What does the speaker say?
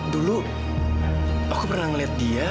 dulu aku pernah melihat dia